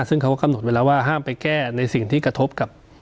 ซึ่งเขาก็กำหนดไว้แล้วว่าห้ามไปแก้ในสิ่งที่กระทบกับ